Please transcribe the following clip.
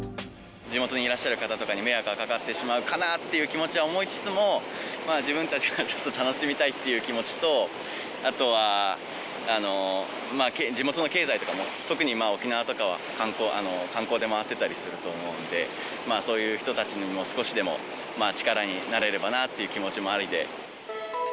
地元にいらっしゃる方とかに、迷惑がかかってしまうかなっていう気持ちは思いつつも、自分たちがちょっと、楽しみたいっていう気持ちと、あとは地元の経済とかも、特に沖縄とかは、観光で回ってたりすると思うんで、そういう人たちにも少しでも力になれればなという気持ちもありで。